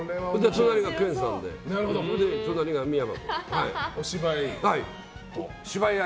隣が研さんで、隣が三山。